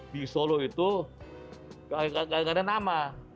di solo itu gak ada nama